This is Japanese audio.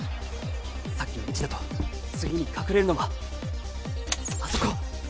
さっきの位置だと次に隠れるのはあそこ！